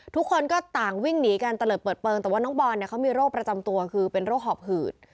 ทุกคนก็ต่างวิ่งหนีกันตะเลิดเปิดเปลืองแต่ว่าน้องบอลเนี่ยเขามีโรคประจำตัวคือเป็นโรคหอบหืด